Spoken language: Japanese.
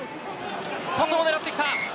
外を狙ってきた。